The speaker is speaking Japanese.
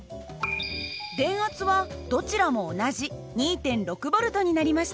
電圧はどちらも同じ２．６Ｖになりました。